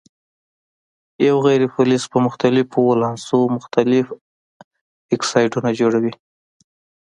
یو غیر فلز په مختلفو ولانسو مختلف اکسایدونه جوړوي.